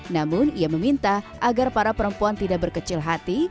namun ia meminta agar para perempuan tidak berkecil hati